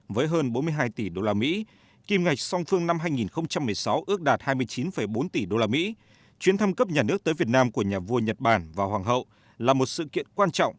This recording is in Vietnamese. với hơn bốn mươi hai tỷ đô la mỹ kim ngạch song phương năm hai nghìn một mươi sáu ước đạt hai mươi chín bốn tỷ đô la mỹ chuyến thăm cấp nhà nước tới việt nam của nhà vua nhật bản và hoàng hậu là một sự kiện quan trọng